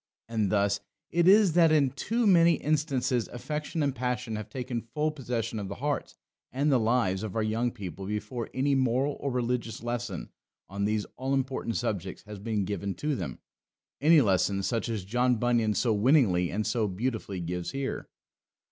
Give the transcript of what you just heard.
And thus it is that in too many instances affection and passion have taken full possession of the hearts and the lives of our young people before any moral or religious lesson on these all important subjects has been given to them: any lesson such as John Bunyan so winningly and so beautifully gives here.